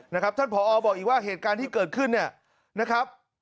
นะครับท่านผอบอกอีกว่าเหตุการณ์ที่เกิดขึ้นเนี่ยนะครับ